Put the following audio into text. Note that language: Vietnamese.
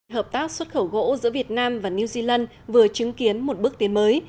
hợp tác xuất khẩu gỗ giữa việt nam và new zealand vừa chứng kiến một bước tiến mới